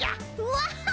ワッハ！